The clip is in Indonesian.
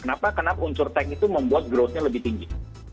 kenapa karena unsur tech itu membuat growthnya lebih tinggi